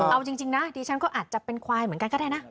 เอาจริงนะดิฉันก็อาจจะเป็นควายเหมือนกันก็ได้นะ